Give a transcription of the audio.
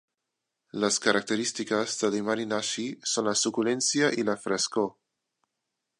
Les característiques de l'Imari nashi són la suculència i la frescor.